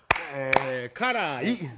辛い。